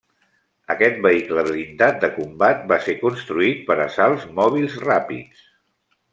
Aquest vehicle blindat de combat va ser construït per assalts mòbils ràpids.